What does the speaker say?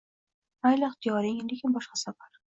Mayli, ixtiyoring. Lekin boshqa safar.